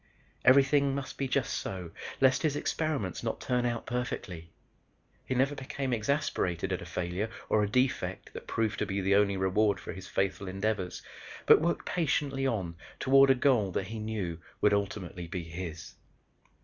Everything must be just so lest his experiment not turn out perfectly. He never became exasperated at a failure or a defect that proved to be the only reward for his faithful endeavors but worked patiently on toward a goal that he knew would ultimately be his.